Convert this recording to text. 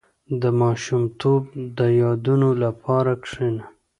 • د ماشومتوب د یادونو لپاره کښېنه.